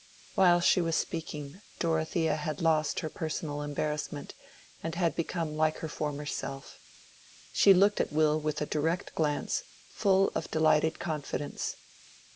While she was speaking Dorothea had lost her personal embarrassment, and had become like her former self. She looked at Will with a direct glance, full of delighted confidence.